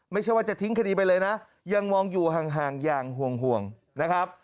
ไม่ใช่ว่าจะทิ้งคดีไปเลยนะยังมองอยู่ห่างอย่างห่วงนะครับ